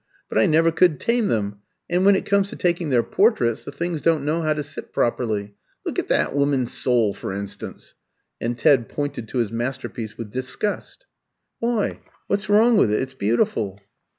But I never could tame them, and when it comes to taking their portraits the things don't know how to sit properly. Look at that woman's soul, for instance" and Ted pointed to his masterpiece with disgust. "Why, what's wrong with it? It's beautiful."